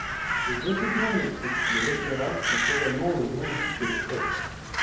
Les équipements électriques de l'éclairage sont également enlevés ainsi que les cloches.